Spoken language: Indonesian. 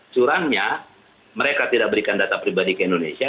curangnya mereka tidak berikan data pribadi ke indonesia